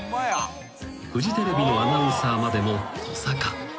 ［フジテレビのアナウンサーまでもトサカ］